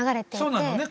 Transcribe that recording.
そうなのね